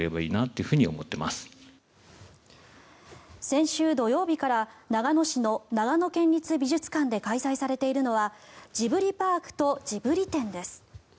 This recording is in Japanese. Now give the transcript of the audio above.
先週土曜日から長野市の長野県立美術館で開催されているのは「ジブリパークとジブリ展」です。